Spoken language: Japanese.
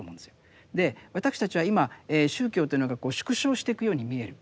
私たちは今宗教というのがこう縮小していくように見える。